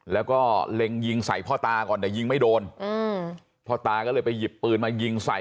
แล้วก็เล็งยิงใส่พ่อตาก่อนแต่ยิงไม่โดนอืมพ่อตาก็เลยไปหยิบปืนมายิงใส่